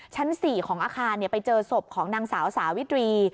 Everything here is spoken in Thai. ชั้น๔ของอาคารไปเจอศพของนางสาวสาวิตรี